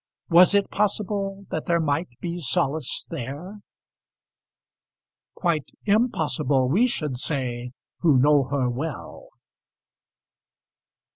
Was it possible that there might be solace there? Quite impossible, we should say, who know her well.